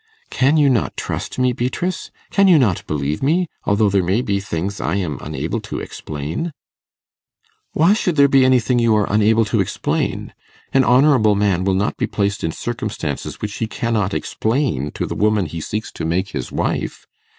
'Can you not trust me, Beatrice? Can you not believe me, although there may be things I am unable to explain?' 'Why should there be anything you are unable to explain? An honourable man will not be placed in circumstances which he cannot explain to the woman he seeks to make his wife.